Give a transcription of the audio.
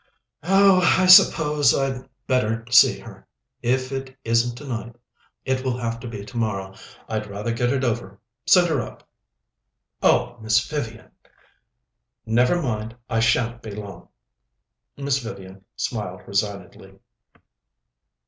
"Oh, I suppose I'd better see her. If it isn't tonight, it will have to be tomorrow. I'd rather get it over. Send her up." "Oh, Miss Vivian!" "Never mind. I shan't be long." Miss Vivian smiled resignedly.